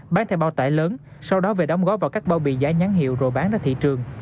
bán theo bao tải lớn sau đó về đóng gói vào các bao bì giả nhãn hiệu rồi bán ra thị trường